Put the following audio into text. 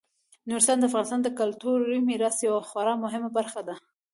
نورستان د افغانستان د کلتوري میراث یوه خورا مهمه برخه ده.